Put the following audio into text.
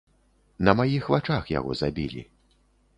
На маіх вачах яго забілі.